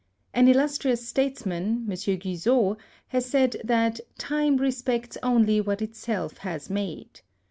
An illustrious states man, Monsieur Guizot, has said that time respects only what itself has made.